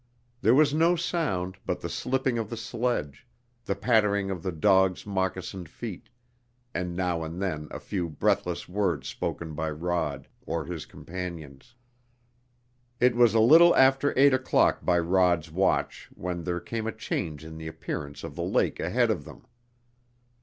There was no sound but the slipping of the sledge, the pattering of the dogs' moccasined feet, and now and then a few breathless words spoken by Rod or his companions. It was a little after eight o'clock by Rod's watch when there came a change in the appearance of the lake ahead of them.